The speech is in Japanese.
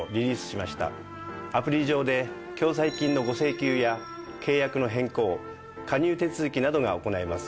アプリ上で共済金のご請求や契約の変更加入手続きなどが行えます。